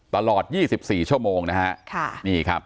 ตลอด๒๔ชั่วโมงนะครับ